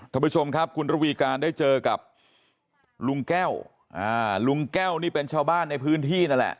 ท่านผู้ชมครับคุณระวีการได้เจอกับลุงแก้วลุงแก้วนี่เป็นชาวบ้านในพื้นที่นั่นแหละ